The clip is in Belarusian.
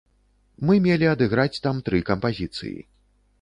Мы мелі адыграць там тры кампазіцыі.